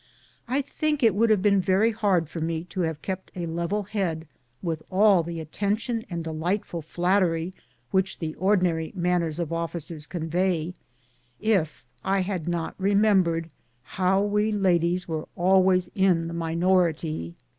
I think it would have been very hard for me to have kept a level head with all the attention and delightful flattery which the ordinary manners of officers convey, if I had not remembered how we ladies were always in the minority.